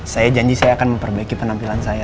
saya janji saya akan memperbaiki penampilan saya